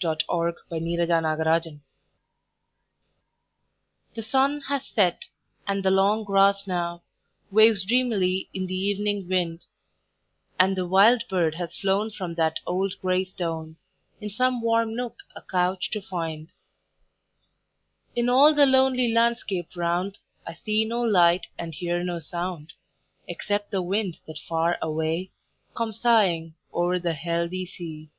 Emily Brontë The Sun Has Set THE sun has set, and the long grass now Waves dreamily in the evening wind; And the wild bird has flown from that old gray stone In some warm nook a couch to find. In all the lonely landscape round I see no light and hear no sound, Except the wind that far away Come sighing o'er the healthy sea.